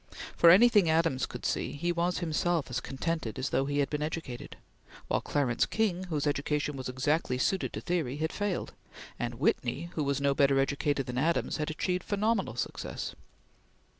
For anything Adams could see he was himself as contented as though he had been educated; while Clarence King, whose education was exactly suited to theory, had failed; and Whitney, who was no better educated than Adams, had achieved phenomenal success.